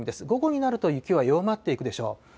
午後になると、雪は弱まっていくでしょう。